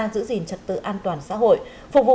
giữ gìn trật tự an toàn xã hội phục vụ